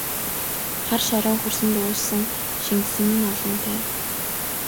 Хар шороон хөрсөнд уусан шингэсэн нь олонтой!